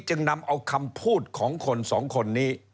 จึงนำเอาคำพูดของคนสองคนนี้